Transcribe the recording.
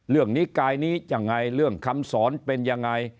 นิกายนี้ยังไงเรื่องคำสอนเป็นยังไง